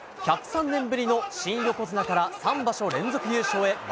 １０３年ぶりの新横綱から３場所連続優勝へ。